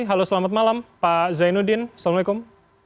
halo selamat malam pak zainuddin assalamualaikum